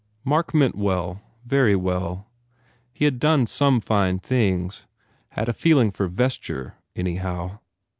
Mark meant well, very well. He had done some fine things, had a feeling for vesture, anyhow.